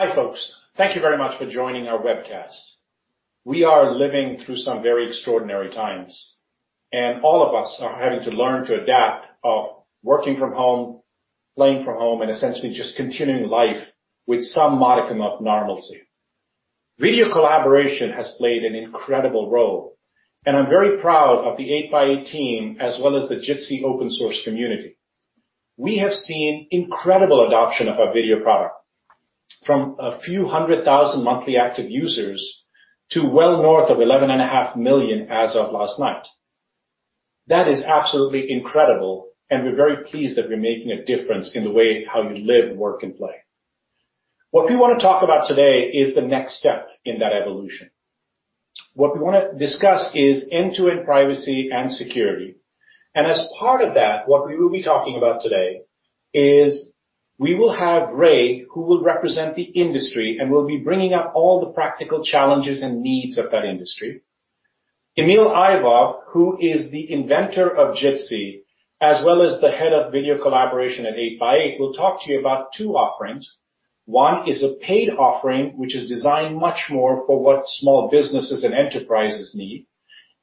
Hi, folks. Thank you very much for joining our webcast. We are living through some very extraordinary times, and all of us are having to learn to adapt of working from home, playing from home, and essentially just continuing life with some modicum of normalcy. Video collaboration has played an incredible role, and I'm very proud of the 8x8 team as well as the Jitsi open source community. We have seen incredible adoption of our video product, from a few hundred thousand monthly active users to well north of 11.5 million as of last night. That is absolutely incredible, and we're very pleased that we're making a difference in the way how you live, work, and play. What we want to talk about today is the next step in that evolution. What we want to discuss is end-to-end privacy and security. As part of that, what we will be talking about today is we will have Ray, who will represent the industry and will be bringing up all the practical challenges and needs of that industry. Emil Ivov, who is the inventor of Jitsi, as well as the head of video collaboration at 8x8, will talk to you about two offerings. One is a paid offering, which is designed much more for what small businesses and enterprises need,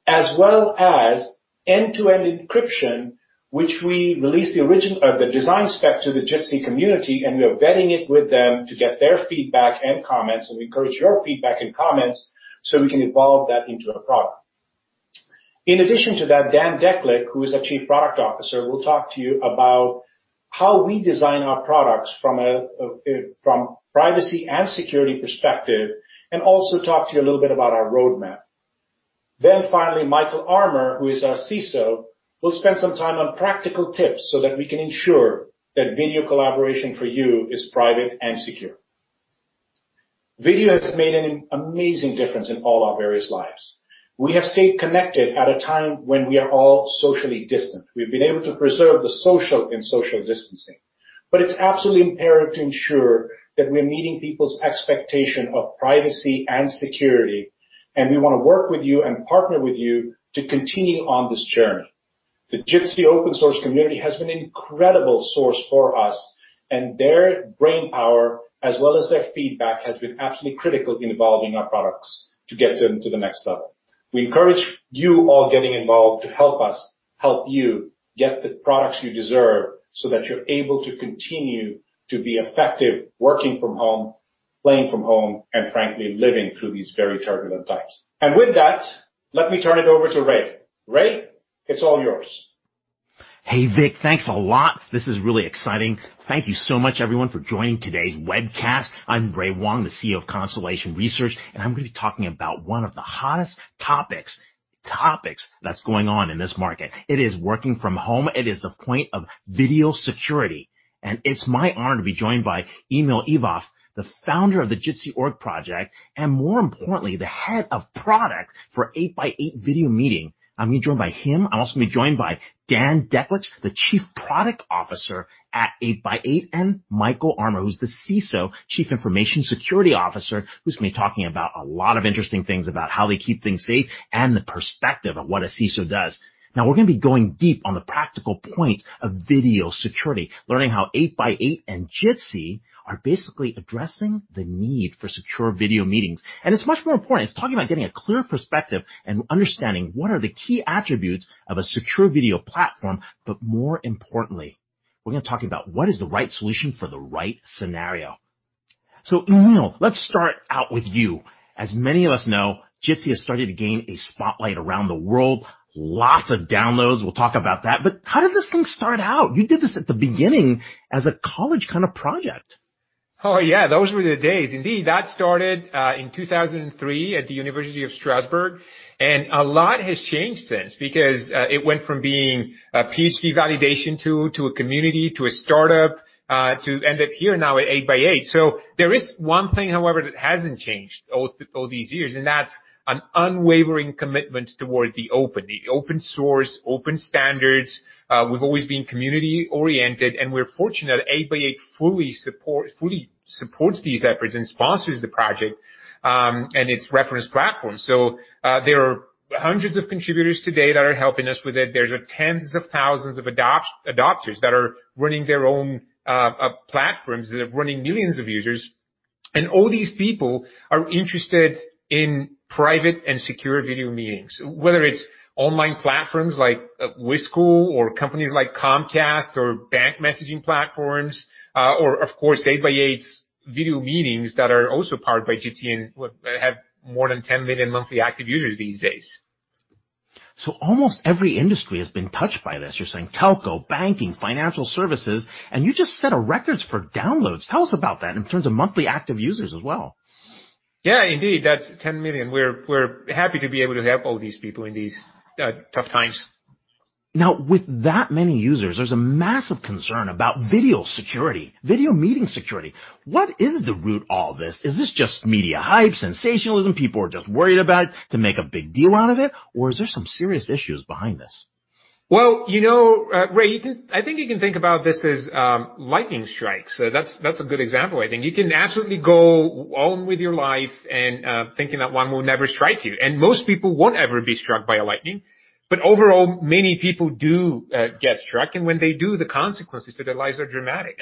as well as end-to-end encryption, which we released the design spec to the Jitsi community, and we are vetting it with them to get their feedback and comments. We encourage your feedback and comments so we can evolve that into a product. In addition to that, Hunter Middleton, who is our Chief Product Officer, will talk to you about how we design our products from privacy and security perspective, and also talk to you a little bit about our roadmap. Finally, Michael Armer, who is our CISO, will spend some time on practical tips so that we can ensure that video collaboration for you is private and secure. Video has made an amazing difference in all our various lives. We have stayed connected at a time when we are all socially distant. We've been able to preserve the social in social distancing. It's absolutely imperative to ensure that we're meeting people's expectation of privacy and security, and we want to work with you and partner with you to continue on this journey. The Jitsi open source community has been an incredible source for us, and their brainpower, as well as their feedback, has been absolutely critical in evolving our products to get them to the next level. We encourage you all getting involved to help us help you get the products you deserve so that you're able to continue to be effective working from home, playing from home, and frankly, living through these very turbulent times. With that, let me turn it over to Ray. Ray, it's all yours. Hey, Vik. Thanks a lot. This is really exciting. Thank you so much, everyone, for joining today's webcast. I'm Ray Wang, the CEO of Constellation Research. I'm going to be talking about one of the hottest topics that's going on in this market. It is working from home. It is the point of video security. It's my honor to be joined by Emil Ivov, the founder of the Jitsi org project, and more importantly, the head of product for 8x8 Video Meetings. I'm going to be joined by him. I'm also going to be joined by Hunter Middleton, the Chief Product Officer at 8x8, and Michael Armer, who's the CISO, Chief Information Security Officer, who's going to be talking about a lot of interesting things about how they keep things safe and the perspective of what a CISO does. We're going to be going deep on the practical point of video security, learning how 8x8 and Jitsi are basically addressing the need for secure video meetings. It's much more important. It's talking about getting a clear perspective and understanding what are the key attributes of a secure video platform, but more importantly, we're going to be talking about what is the right solution for the right scenario. Emil, let's start out with you. As many of us know, Jitsi has started to gain a spotlight around the world. Lots of downloads. We'll talk about that. How did this thing start out? You did this at the beginning as a college kind of project. Oh, yeah. Those were the days. That started in 2003 at the University of Strasbourg, and a lot has changed since because it went from being a PhD validation tool to a community, to a startup, to end up here now at 8x8. There is one thing, however, that hasn't changed all these years, and that's an unwavering commitment toward the open. The open source, open standards. We've always been community-oriented, and we're fortunate that 8x8 fully supports these efforts and sponsors the project, and its reference platform. There are hundreds of contributors today that are helping us with it. There's tens of thousands of adopters that are running their own platforms that are running millions of users, and all these people are interested in private and secure video meetings, whether it's online platforms like WeSchool or companies like Comcast or bank messaging platforms or, of course, 8x8's Video Meetings that are also powered by Jitsi and have more than 10 million monthly active users these days. Almost every industry has been touched by this. You're saying telco, banking, financial services. You just set a record for downloads. Tell us about that in terms of monthly active users as well. Yeah, indeed. That's 10 million. We're happy to be able to help all these people in these tough times. With that many users, there's a massive concern about video security, video meeting security. What is the root of all this? Is this just media hype, sensationalism, people are just worried about to make a big deal out of it, or is there some serious issues behind this? Ray, I think you can think about this as lightning strikes. That's a good example, I think. You can absolutely go on with your life and thinking that one will never strike you. Most people won't ever be struck by a lightning. Overall, many people do get struck, and when they do, the consequences to their lives are dramatic.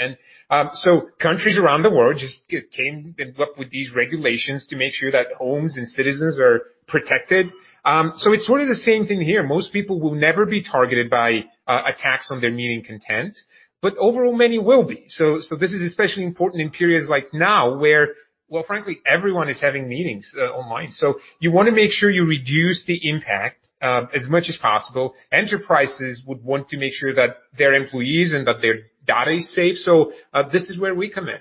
Countries around the world just came up with these regulations to make sure that homes and citizens are protected. It's really the same thing here. Most people will never be targeted by attacks on their meeting content, but overall, many will be. This is especially important in periods like now where, well, frankly, everyone is having meetings online. You want to make sure you reduce the impact as much as possible. Enterprises would want to make sure that their employees and that their data is safe. This is where we come in.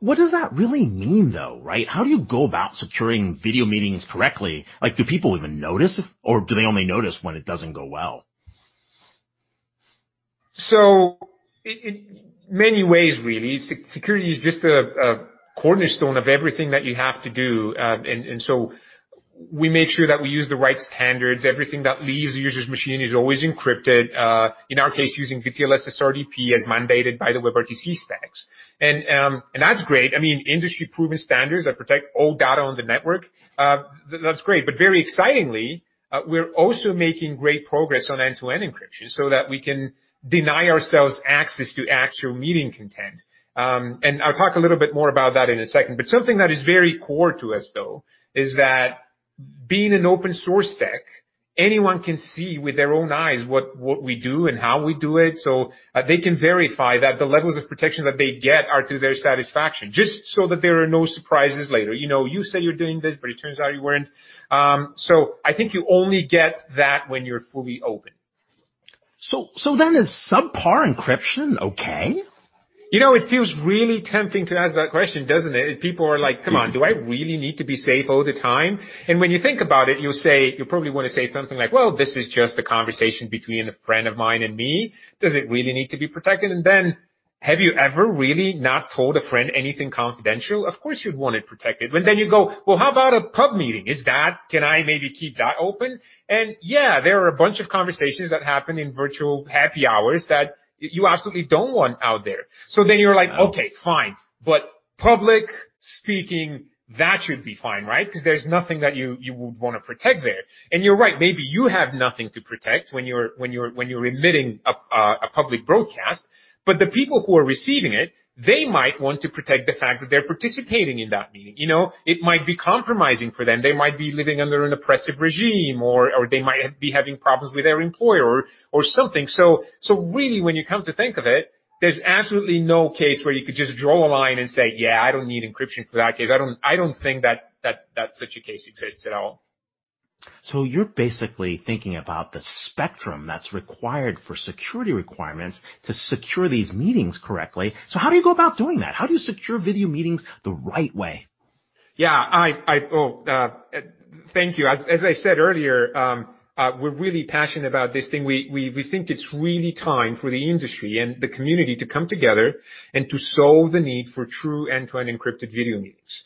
What does that really mean, though, right? How do you go about securing video meetings correctly? Do people even notice, or do they only notice when it doesn't go well? In many ways, really, security is just a cornerstone of everything that you have to do. We made sure that we use the right standards. Everything that leaves the user's machine is always encrypted, in our case, using DTLS-SRTP as mandated by the WebRTC stacks. That's great. I mean, industry-proven standards that protect all data on the network, that's great. Very excitingly, we're also making great progress on end-to-end encryption so that we can deny ourselves access to actual meeting content. I'll talk a little bit more about that in a second. Something that is very core to us, though, is that being an open-source stack, anyone can see with their own eyes what we do and how we do it, so they can verify that the levels of protection that they get are to their satisfaction, just so that there are no surprises later. You say you're doing this, but it turns out you weren't. I think you only get that when you're fully open. Is subpar encryption okay? It feels really tempting to ask that question, doesn't it? People are like, "Come on, do I really need to be safe all the time?" When you think about it, you'll say, you probably want to say something like, "Well, this is just a conversation between a friend of mine and me." Does it really need to be protected? Have you ever really not told a friend anything confidential? Of course, you'd want it protected. You go, well, how about a pub meeting? Can I maybe keep that open? Yeah, there are a bunch of conversations that happen in virtual happy hours that you absolutely don't want out there. You're like. Yeah okay, fine. Public speaking, that should be fine, right? Because there's nothing that you would want to protect there. You're right, maybe you have nothing to protect when you're emitting a public broadcast, but the people who are receiving it, they might want to protect the fact that they're participating in that meeting. It might be compromising for them. They might be living under an oppressive regime, or they might be having problems with their employer or something. Really, when you come to think of it, there's absolutely no case where you could just draw a line and say, "Yeah, I don't need encryption for that case." I don't think that that's such a case it fits at all. You're basically thinking about the spectrum that's required for security requirements to secure these meetings correctly. How do you go about doing that? How do you secure video meetings the right way? Yeah. Thank you. As I said earlier, we're really passionate about this thing. We think it's really time for the industry and the community to come together and to solve the need for true end-to-end encrypted video meetings.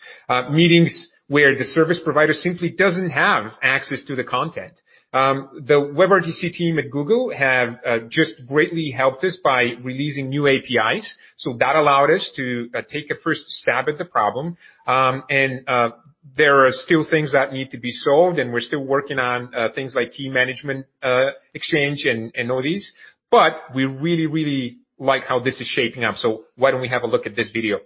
Meetings where the service provider simply doesn't have access to the content. The WebRTC team at Google have just greatly helped us by releasing new APIs. That allowed us to take a first stab at the problem. There are still things that need to be solved, and we're still working on things like key management exchange and all these. We really, really like how this is shaping up. Why don't we have a look at this video?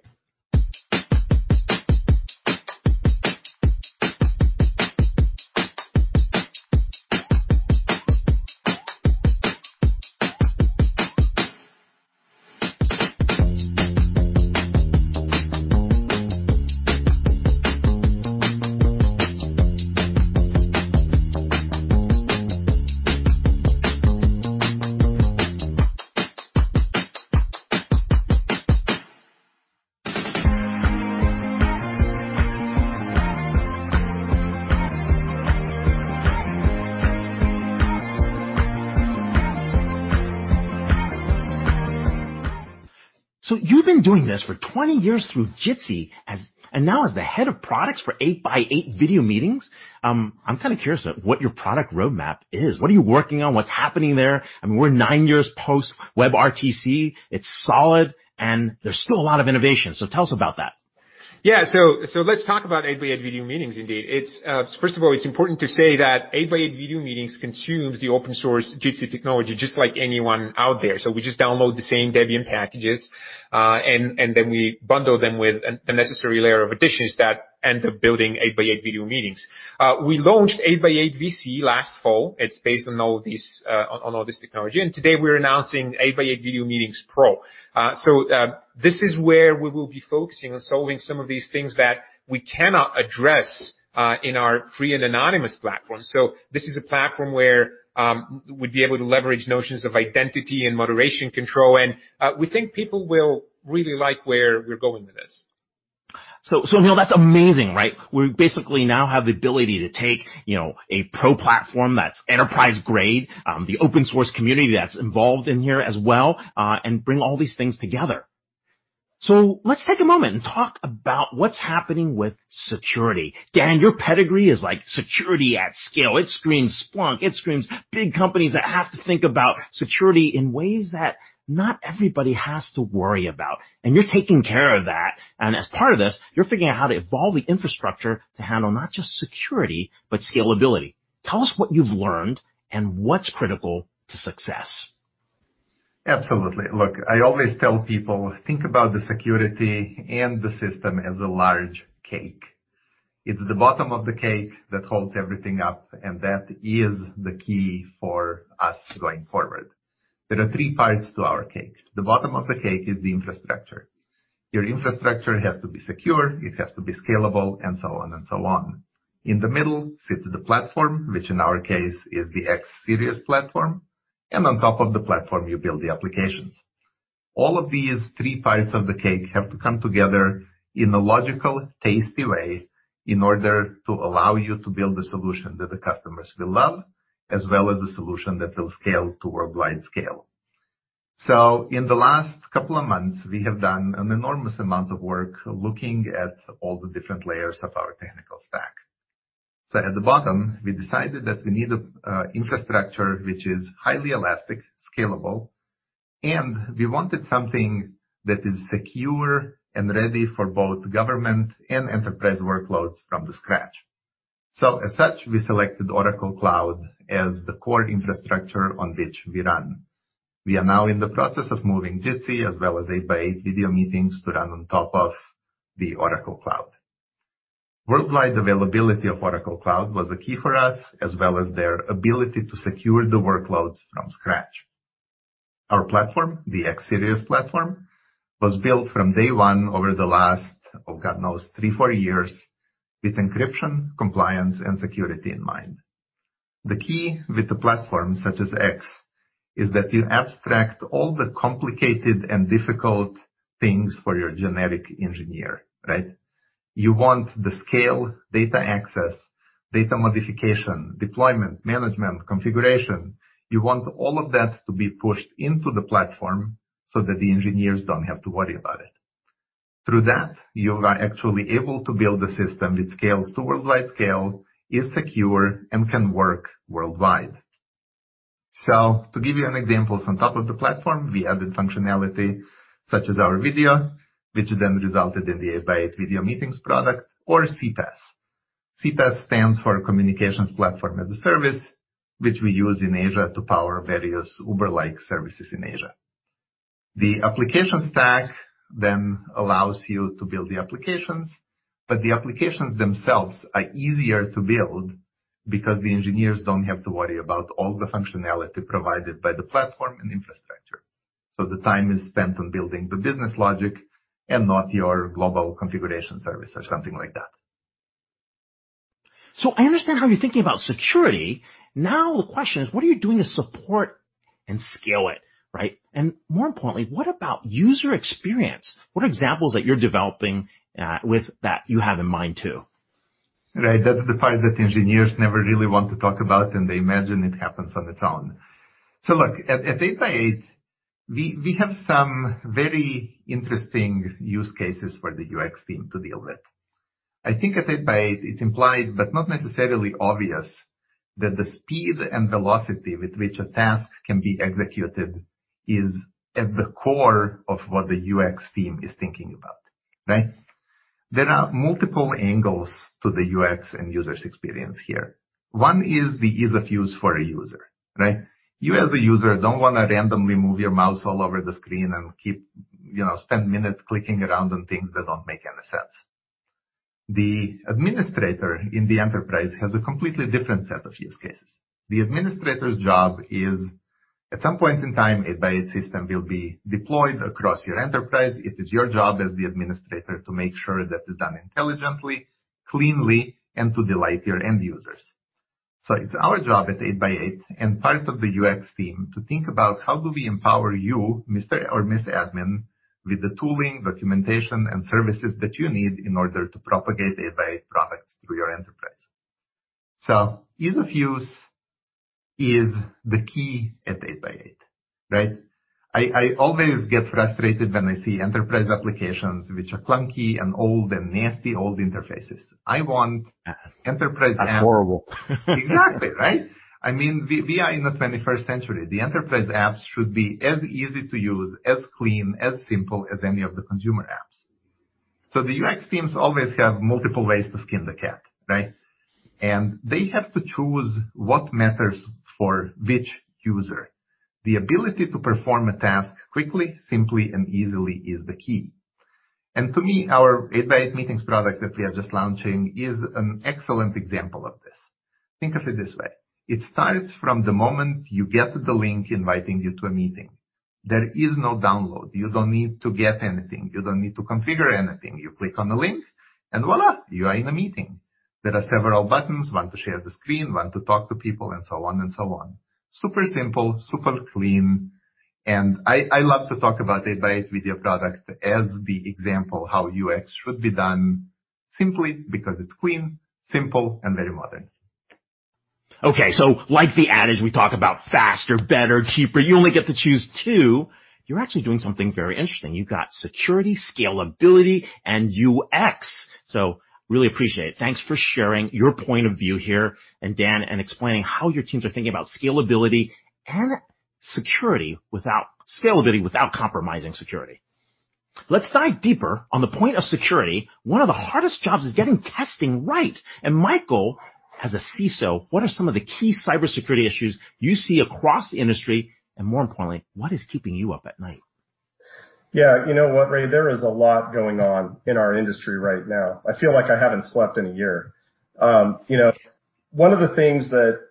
You've been doing this for 20 years through Jitsi, and now as the head of products for 8x8 Video Meetings, I'm kind of curious of what your product roadmap is. What are you working on? What's happening there? I mean, we're nine years post WebRTC. It's solid, and there's still a lot of innovation. Tell us about that. Let's talk about 8x8 Video Meetings indeed. First of all, it's important to say that 8x8 Video Meetings consumes the open source Jitsi technology, just like anyone out there. We just download the same Debian packages, and then we bundle them with the necessary layer of additions that end up building 8x8 Video Meetings. We launched 8x8 VC last fall. It's based on all this technology. Today we're announcing 8x8 Video Meetings Pro. This is where we will be focusing on solving some of these things that we cannot address in our free and anonymous platform. This is a platform where we'd be able to leverage notions of identity and moderation control, and we think people will really like where we're going with this. Emil, that's amazing, right? We basically now have the ability to take a pro platform that's enterprise-grade, the open source community that's involved in here as well, and bring all these things together. Let's take a moment and talk about what's happening with security. Hunt, your pedigree is security at scale. It screams Splunk, it screams big companies that have to think about security in ways that not everybody has to worry about, and you're taking care of that. As part of this, you're figuring out how to evolve the infrastructure to handle not just security, but scalability. Tell us what you've learned and what's critical to success. Absolutely. Look, I always tell people, think about the security and the system as a large cake. It's the bottom of the cake that holds everything up, and that is the key for us going forward. There are three parts to our cake. The bottom of the cake is the infrastructure. Your infrastructure has to be secure, it has to be scalable, and so on. In the middle sits the platform, which in our case is the X Series platform, and on top of the platform, you build the applications. All of these three parts of the cake have to come together in a logical, tasty way in order to allow you to build a solution that the customers will love, as well as a solution that will scale to worldwide scale. In the last couple of months, we have done an enormous amount of work looking at all the different layers of our technical stack. At the bottom, we decided that we need an infrastructure which is highly elastic, scalable, and we wanted something that is secure and ready for both government and enterprise workloads from the scratch. As such, we selected Oracle Cloud as the core infrastructure on which we run. We are now in the process of moving Jitsi as well as 8x8 Video Meetings to run on top of the Oracle Cloud. Worldwide availability of Oracle Cloud was a key for us, as well as their ability to secure the workloads from scratch. Our platform, the X Series platform, was built from day one over the last three, four years, with encryption, compliance, and security in mind. The key with the platforms such as X is that you abstract all the complicated and difficult things for your generic engineer. You want the scale, data access, data modification, deployment, management, configuration. You want all of that to be pushed into the platform so that the engineers don't have to worry about it. Through that, you are actually able to build a system that scales to worldwide scale, is secure, and can work worldwide. To give you an example, on top of the platform, we added functionality such as our video, which then resulted in the 8x8 Video Meetings product or CPaaS. CPaaS stands for Communications Platform as a Service, which we use in Asia to power various Uber-like services in Asia. The application stack allows you to build the applications, but the applications themselves are easier to build because the engineers don't have to worry about all the functionality provided by the platform and infrastructure. The time is spent on building the business logic and not your global configuration service or something like that. I understand how you're thinking about security. The question is, what are you doing to support and scale it? More importantly, what about user experience? What examples that you're developing with that you have in mind, too? Right. That's the part that engineers never really want to talk about, and they imagine it happens on its own. Look, at 8x8, we have some very interesting use cases for the UX team to deal with. I think at 8x8, it's implied, but not necessarily obvious, that the speed and velocity with which a task can be executed is at the core of what the UX team is thinking about. There are multiple angles to the UX and user's experience here. One is the ease of use for a user. You as a user don't want to randomly move your mouse all over the screen and keep spend minutes clicking around on things that don't make any sense. The administrator in the enterprise has a completely different set of use cases. The administrator's job is, at some point in time, 8x8 system will be deployed across your enterprise. It is your job as the administrator to make sure that is done intelligently, cleanly, and to delight your end users. It's our job at 8x8 and part of the UX team to think about how do we empower you, Mr. or Miss Admin, with the tooling, documentation, and services that you need in order to propagate 8x8 products through your enterprise. Ease of use is the key at 8x8. I always get frustrated when I see enterprise applications which are clunky and old and nasty, old interfaces. That's horrible. Exactly. We are in the 21st century. The enterprise apps should be as easy to use, as clean, as simple as any of the consumer apps. The UX teams always have multiple ways to skin the cat. They have to choose what matters for which user. The ability to perform a task quickly, simply, and easily is the key. To me, our 8x8 Meetings product that we are just launching is an excellent example of this. Think of it this way. It starts from the moment you get the link inviting you to a meeting. There is no download. You don't need to get anything. You don't need to configure anything. You click on the link, and voila, you are in a meeting. There are several buttons, one to share the screen, one to talk to people, and so on. Super simple, super clean. I love to talk about 8x8 video product as the example how UX should be done simply because it's clean, simple, and very modern. Okay. Like the adage we talk about faster, better, cheaper, you only get to choose two, you're actually doing something very interesting. You've got security, scalability, and UX. Really appreciate it. Thanks for sharing your point of view here, and Dan, and explaining how your teams are thinking about scalability and security without scalability, without compromising security. Let's dive deeper on the point of security. One of the hardest jobs is getting testing right. Michael, as a CISO, what are some of the key cybersecurity issues you see across the industry? More importantly, what is keeping you up at night? Yeah. You know what, Ray? There is a lot going on in our industry right now. I feel like I haven't slept in a year. One of the things that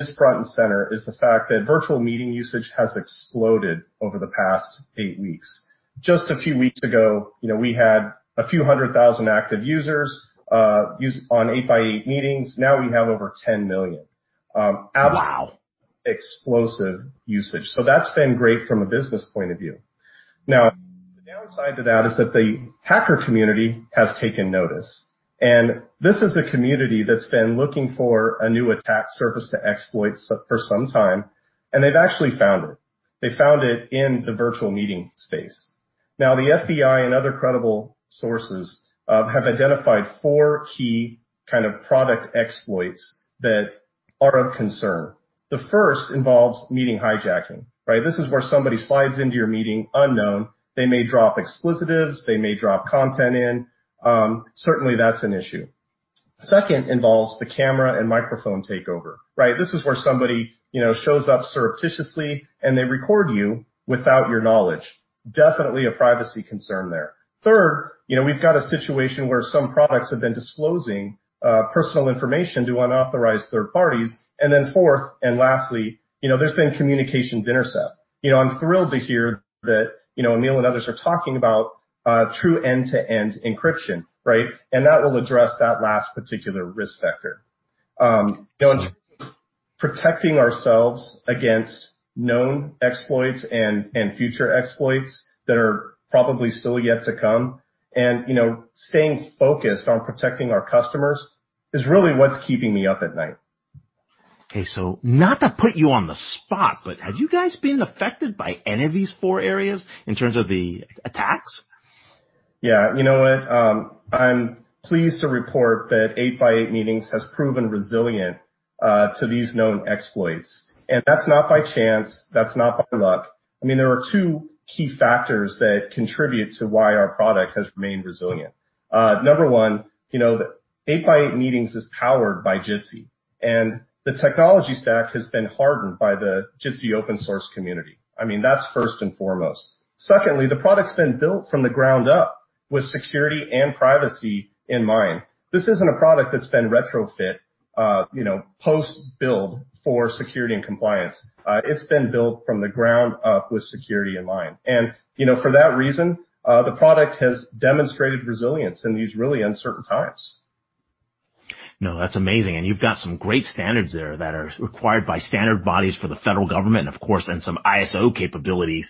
is front and center is the fact that virtual meeting usage has exploded over the past eight weeks. Just a few weeks ago, we had a few hundred thousand active users on 8x8 Meetings. Now we have over 10 million. Wow. Absolutely explosive usage. That's been great from a business point of view. The downside to that is that the hacker community has taken notice, and this is a community that's been looking for a new attack surface to exploit for some time, and they've actually found it. They found it in the virtual meeting space. The FBI and other credible sources have identified four key kind of product exploits that are of concern. The first involves meeting hijacking, right. This is where somebody slides into your meeting unknown. They may drop expletives. They may drop content in. Certainly, that's an issue. Second involves the camera and microphone takeover, right. This is where somebody shows up surreptitiously, and they record you without your knowledge. Definitely a privacy concern there. Third, we've got a situation where some products have been disclosing personal information to unauthorized third parties. Fourth and lastly, there's been communications intercept. I'm thrilled to hear that Emil and others are talking about true end-to-end encryption, right? That will address that last particular risk factor. In terms of protecting ourselves against known exploits and future exploits that are probably still yet to come and staying focused on protecting our customers is really what's keeping me up at night. Not to put you on the spot, but have you guys been affected by any of these four areas in terms of the attacks? Yeah. You know what? I'm pleased to report that 8x8 Meetings has proven resilient to these known exploits, and that's not by chance. That's not by luck. There are two key factors that contribute to why our product has remained resilient. Number one, 8x8 Meetings is powered by Jitsi, and the technology stack has been hardened by the Jitsi open-source community. That's first and foremost. Secondly, the product's been built from the ground up with security and privacy in mind. This isn't a product that's been retrofit post-build for security and compliance. It's been built from the ground up with security in mind. For that reason, the product has demonstrated resilience in these really uncertain times. No, that's amazing. You've got some great standards there that are required by standard bodies for the federal government, and of course, and some ISO capabilities.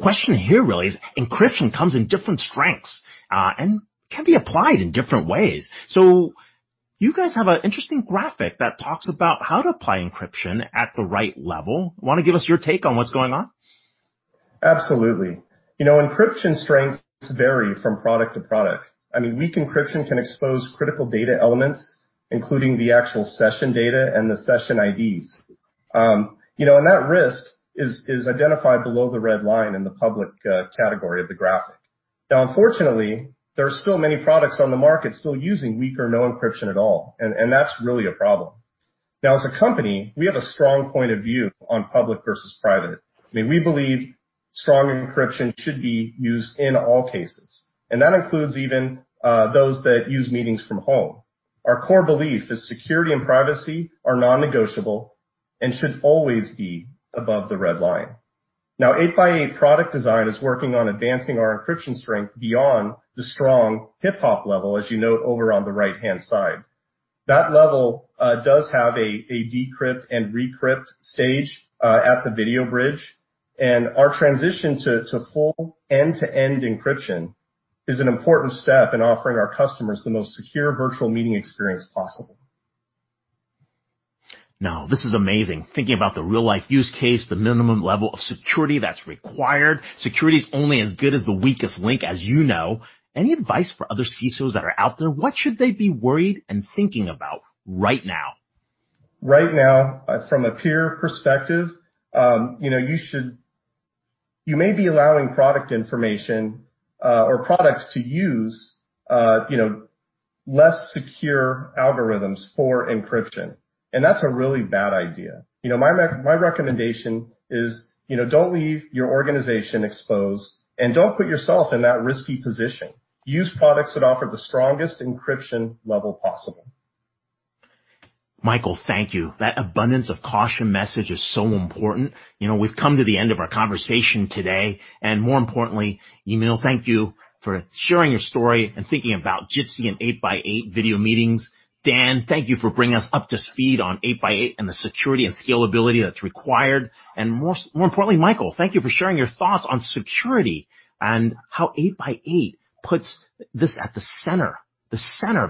Question here really is encryption comes in different strengths, and can be applied in different ways. You guys have an interesting graphic that talks about how to apply encryption at the right level. Want to give us your take on what's going on? Absolutely. Encryption strengths vary from product to product. Weak encryption can expose critical data elements, including the actual session data and the session IDs. That risk is identified below the red line in the public category of the graphic. Unfortunately, there are still many products on the market still using weak or no encryption at all, and that's really a problem. As a company, we have a strong point of view on public versus private. We believe strong encryption should be used in all cases, and that includes even those that use meetings from home. Our core belief is security and privacy are non-negotiable and should always be above the red line. 8x8 product design is working on advancing our encryption strength beyond the strong hop-by-hop encryption level, as you note over on the right-hand side. That level does have a decrypt and recrypt stage at the video bridge, and our transition to full end-to-end encryption is an important step in offering our customers the most secure virtual meeting experience possible. This is amazing. Thinking about the real-life use case, the minimum level of security that's required, security is only as good as the weakest link, as you know. Any advice for other CISOs that are out there? What should they be worried and thinking about right now? Right now, from a peer perspective, you may be allowing product information or products to use less secure algorithms for encryption, and that's a really bad idea. My recommendation is don't leave your organization exposed, and don't put yourself in that risky position. Use products that offer the strongest encryption level possible. Michael, thank you. That abundance-of-caution message is so important. More importantly, Emil, thank you for sharing your story and thinking about Jitsi and 8x8 Video Meetings. Dan, thank you for bringing us up to speed on 8x8 and the security and scalability that's required. More importantly, Michael, thank you for sharing your thoughts on security and how 8x8 puts this at the center of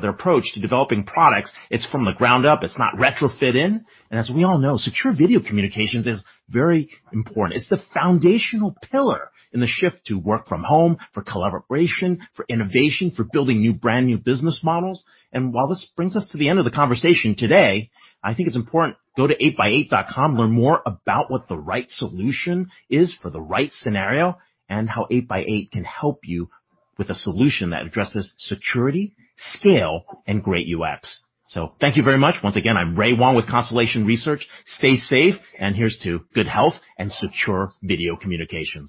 their approach to developing products. It's from the ground up. It's not retrofit in. As we all know, secure video communications is very important. It's the foundational pillar in the shift to work from home for collaboration, for innovation, for building new brand-new business models. While this brings us to the end of the conversation today, I think it's important, go to 8x8.com, learn more about what the right solution is for the right scenario, and how 8x8 can help you with a solution that addresses security, scale, and great UX. Thank you very much. Once again, I'm Ray Wang with Constellation Research. Stay safe, and here's to good health and secure video communications.